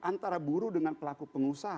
antara buruh dengan pelaku pengusaha